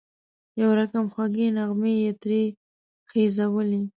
یو رقم خوږې نغمې یې ترې خېژولې.